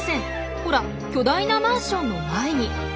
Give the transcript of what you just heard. ほら巨大なマンションの前に。